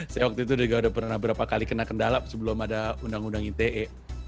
saya waktu itu juga udah pernah berapa kali kena kendala sebelum ada undang undang ite